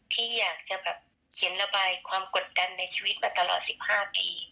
ที่อยากจะแบบเขียนระบายความกดดันในชีวิตมาตลอด๑๕ปี